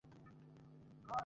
চলো এখান থেকে দ্রুত পালিয়ে যাই!